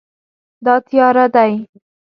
دا تیاره دی